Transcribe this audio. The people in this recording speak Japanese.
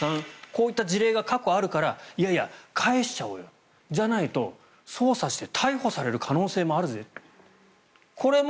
こういった事例が過去にあるからいやいや、返しちゃおうよじゃないと捜査して逮捕される可能性もあるぜ。